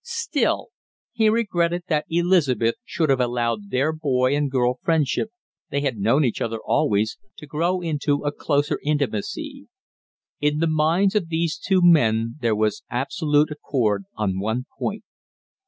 Still he regretted that Elizabeth should have allowed their boy and girl friendship they had known each other always to grow into a closer intimacy. In the minds of these two men there was absolute accord on one point.